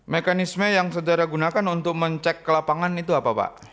mekanisme yang saudara gunakan untuk mencek ke lapangan itu apa pak